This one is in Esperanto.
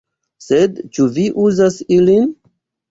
"Sed ĉu vi uzas ilin?"